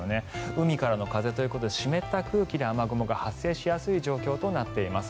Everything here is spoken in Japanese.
海からの風ということで湿った空気で雨雲が発生しやすい状況となっています。